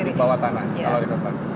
di bawah tanah kalau di kota